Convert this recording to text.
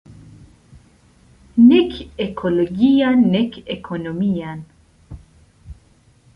Nek ekologian, nek ekonomian.